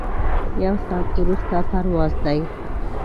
یو ساعت وروسته پرواز دی.